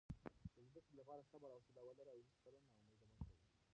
د زده کړې لپاره صبر او حوصله ولره او هیڅکله نا امیده مه کېږه.